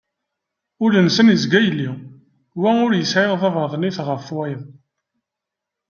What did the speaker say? Ul-nsen yezga yelli, wa ur yesɛi tabaḍnit ɣef wayeḍ.